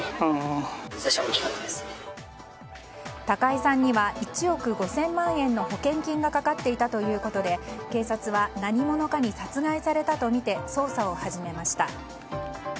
高井さんには１億５０００万円の保険金がかかっていたということで警察は何者かに殺害されたとみて捜査を始めました。